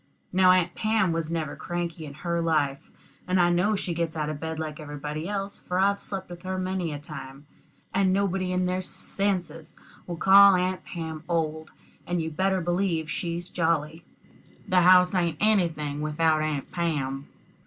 Now Aunt Pam was never cranky in her life; and I know she gets out of bed like everybody else, for I've slept with her many a time. And nobody in their senses would call Aunt Pam old, and you'd better believe she's jolly. The house ain't anything without Aunt Pam.